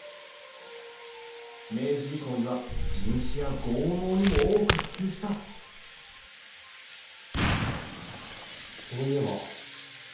明治以降には地主や豪農にも多く普及したそういえば。